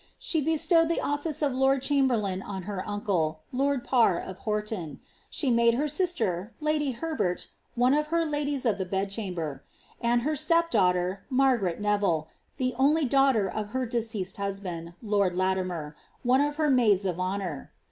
She bestowed the office of lord n on her uncle, lord Parr of Horton ; she made her sister, ert, one of her ladies of the bedchamber; and her step ^lai^ret Neville, the only daughter of her deceased husband, er, one of her maids of honour.